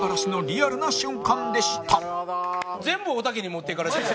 全部おたけに持っていかれてる。